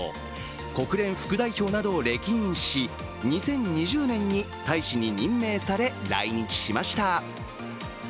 国連副代表などを歴任し、２０２０年に大使に任命され来日しました。